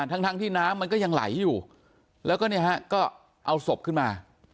ทั้งทั้งที่น้ำมันก็ยังไหลอยู่แล้วก็เนี่ยฮะก็เอาศพขึ้นมา